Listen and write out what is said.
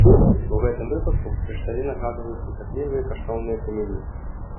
У гэтым выпадку крышталі нагадваюць зіхатлівыя каштоўныя камяні.